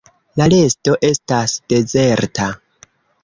La resto estas dezerta.